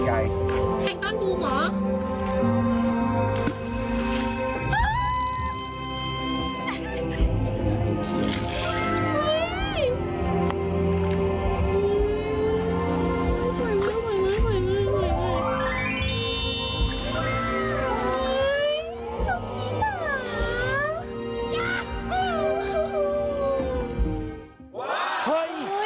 แทคตอนดูเหรอ